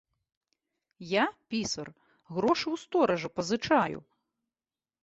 Я, пісар, грошы ў стоража пазычаю.